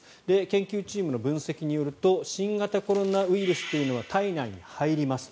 研究チームの分析によると新型コロナウイルスというのは体内に入ります。